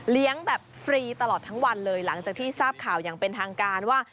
แบบฟรีตลอดทั้งวันเลยหลังจากที่ทราบข่าวอย่างเป็นทางการว่า